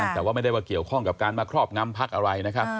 แต่ว่าไม่ได้ว่าเกี่ยวข้องกับการมาครอบงำพักอะไรนะครับ